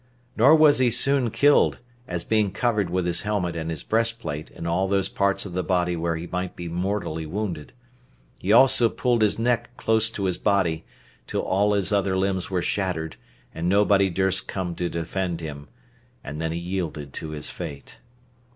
Nor was he soon killed, as being covered with his helmet and his breastplate in all those parts of his body where he might be mortally wounded; he also pulled his neck close to his body, till all his other limbs were shattered, and nobody durst come to defend him, and then he yielded to his fate.